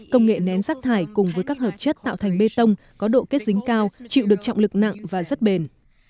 công nghệ nén rác thải cùng với các hợp chất tạo thành bê tông có độ kết dính cao chịu được trọng lực nặng và rất bền